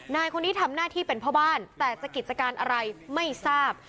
นายคนนี้ทำหน้าที่เป็นพ่อบ้านแต่จะกิจการอะไรไม่ทราบ